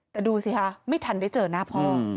แต่ดูสิคะไม่ทันได้เจอหน้าพ่อ